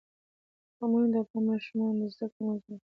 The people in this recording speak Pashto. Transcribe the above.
قومونه د افغان ماشومانو د زده کړې موضوع ده.